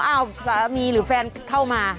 สามีหรือแฟนเข้ามา